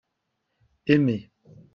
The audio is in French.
aimez.